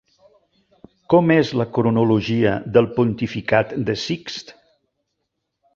Com és la cronologia del pontificat de Sixt?